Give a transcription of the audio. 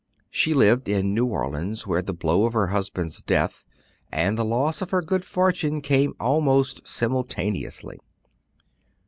She lived in New Orleans, where the blow of her husband's death and the loss of her good fortune came almost simultaneously.